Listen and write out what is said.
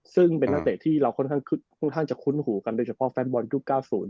ซึ่งเป็นนักเตะที่เราค่อนข้างจะคุ้นหูกันโดยเฉพาะแฟนบอลยุค๙๐